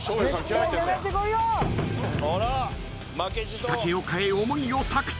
［仕掛けを替え思いを託す］